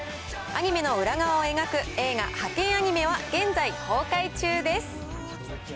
アニメの裏側を描く映画、ハケンアニメ！は、現在公開中です。